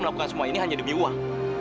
melakukan semua ini hanya demi uang